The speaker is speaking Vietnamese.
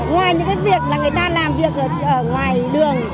ngoài những cái việc là người ta làm việc ở ngoài đường